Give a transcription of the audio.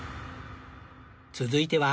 続いては